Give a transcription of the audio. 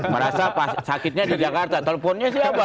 merasa sakitnya di jakarta teleponnya siapa